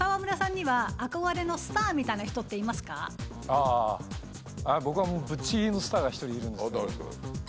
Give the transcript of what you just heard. あぁ僕はもうぶっちぎりのスターが１人いるんです。